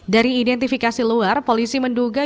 dari identifikasi luar polisi menduga